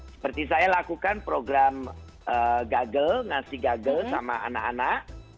seperti saya lakukan program gagel ngasih gagel sama anak anak